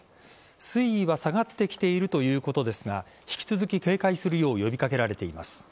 水位が下がってきているということですが引き続き警戒するよう呼び掛けられています。